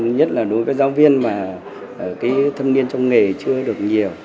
nhất là đối với giáo viên mà cái thâm niên trong nghề chưa được nhiều